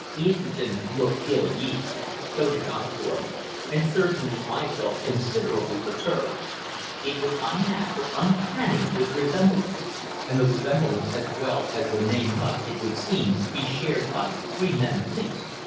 Easterton looked ill at ease; so did Osborne; and certainly I felt considerably perturbed. It was unnatural, uncanny, this resemblance. And the resemblance as well as the name must, it would seem, be shared by three men at least.